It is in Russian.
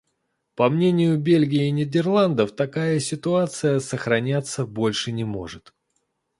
По мнению Бельгии и Нидерландов, такая ситуация сохраняться больше не может.